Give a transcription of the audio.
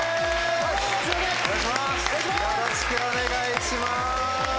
よろしくお願いします！